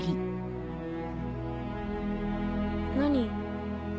何？